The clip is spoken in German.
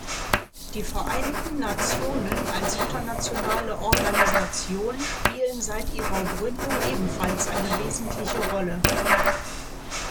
Die Vereinten Nationen als internationale Organisation spielen seit ihrer Gründung ebenfalls eine wesentliche Rolle.